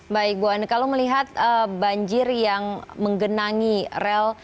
baik bu ane kalau melihat banjir yang menggenangi rel